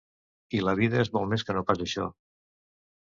I la vida és molt més que no pas això.